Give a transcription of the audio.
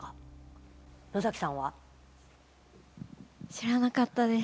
知らなかったです。